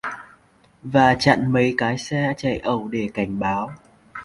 Và chặn mấy cái xe chạy ẩu để cảnh báo